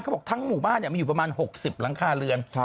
บอกทั้งหมู่บ้านมีอยู่ประมาณ๖๐หลังคาเรือน